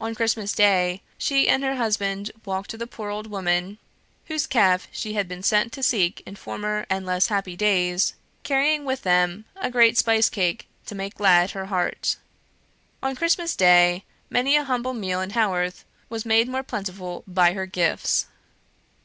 On Christmas day she and her husband walked to the poor old woman (whose calf she had been set to seek in former and less happy days), carrying with them a great spice cake to make glad her heart. On Christmas day many a humble meal in Haworth was made more plentiful by her gifts.